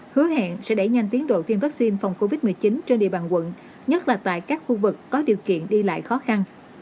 hứa hẹn sẽ đẩy nhanh tiến độ tiêm vaccine phòng covid một mươi chín trên địa bàn quận nhất là tại các khu vực có điều kiện đi lại khó khăn